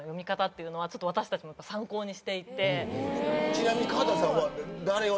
ちなみに川田さんは。